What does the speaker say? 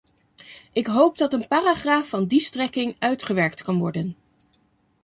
Ik hoop dat een paragraaf van die strekking uitgewerkt kan worden.